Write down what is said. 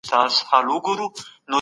کمپيوټر فلم جوړوي.